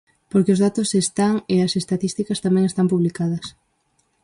Porque os datos están e as estatísticas tamén están publicadas.